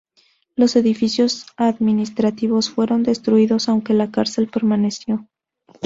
Los edificios administrativos fueron destruidos aunque la cárcel permaneció.